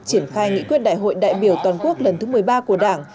triển khai nghị quyết đại hội đại biểu toàn quốc lần thứ một mươi ba của đảng